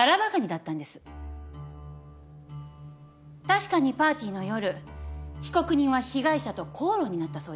確かにパーティーの夜被告人は被害者と口論になったそうです。